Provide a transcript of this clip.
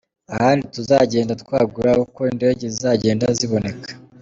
Ahandi tuzagenda twagura uko indege zizagenda ziboneka.